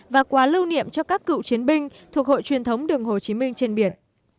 và quà lưu niệm cho các cựu chiến binh thuộc hội truyền thống đường hồ chí minh trên biển